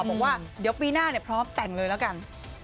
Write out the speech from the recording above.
บอกว่าเดี๋ยวปีหน้าพร้อมแต่งเลยแล้วกัน